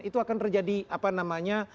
itu akan terjadi apa namanya